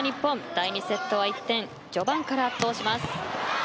第２セットは一転序盤から圧倒します。